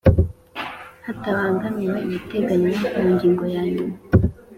Hatabangamiwe ibiteganywa mu ngingo ya yanyuma